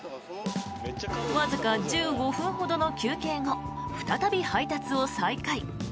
わずか１５分ほどの休憩後再び配達を再開。